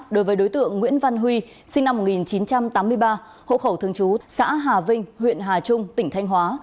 đối với đối tượng nguyễn văn huy sinh năm một nghìn chín trăm tám mươi ba hộ khẩu thường trú xã hà vinh huyện hà trung tỉnh thanh hóa